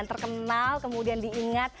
terima kasih abang